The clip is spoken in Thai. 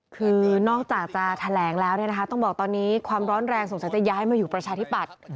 คือนอกจากจะแถลงแล้วต้องบอกตอนนี้ความร้อนแรงสงสัยจะย้ายมาอยู่ประชาธิปัตย์